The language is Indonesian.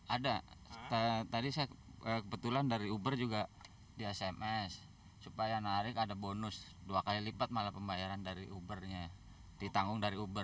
ada tadi saya kebetulan dari uber juga di sms supaya narik ada bonus dua kali lipat malah pembayaran dari ubernya ditanggung dari uber